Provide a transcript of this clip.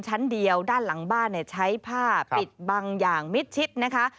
ใช้ผ้าปิดบังอย่างมิดชิดนะคะ